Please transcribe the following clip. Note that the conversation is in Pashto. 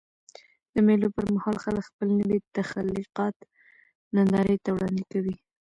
د مېلو پر مهال خلک خپل نوي تخلیقات نندارې ته وړاندي کوي.